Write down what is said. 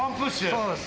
そうです。